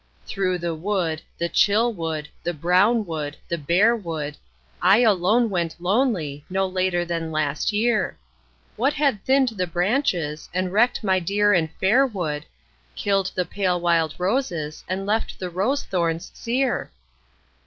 Through the wood, the chill wood, the brown wood, the bare wood, I alone went lonely no later than last year, What had thinned the branches, and wrecked my dear and fair wood, Killed the pale wild roses and left the rose thorns sere